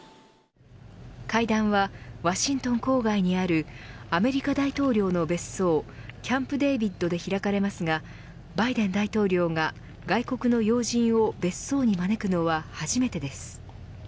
会談は、ワシントン郊外にあるアメリカ大統領の別荘キャンプ・デービットで開かれますがバイデン大統領が外国の要人を別荘に招くのは初めてです。